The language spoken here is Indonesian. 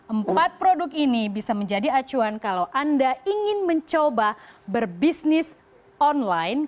empat produk ini bisa menjadi acuan kalau anda ingin mencoba berbisnis online